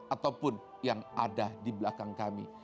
ataupun yang ada di belakang kami